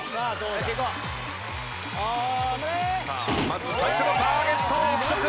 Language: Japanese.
まず最初のターゲット浮所君。